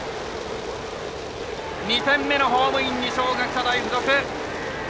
２点目のホームイン二松学舎大付属。